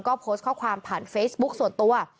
ก็โพสต์ข้อความผ่านเฟซบุ๊คส่วนตัว